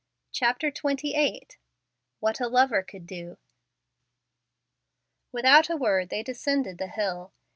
CHAPTER XXVIII WHAT A LOVER COULD DO Without a word they descended the hill.